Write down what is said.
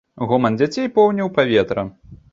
Гоман дзяцей поўніў паветра.